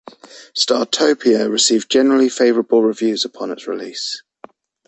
"Startopia" received generally favorable reviews upon its release.